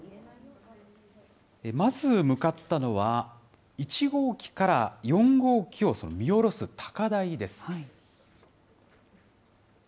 まず向かったのは、１号機から４号機を見下ろす高台です。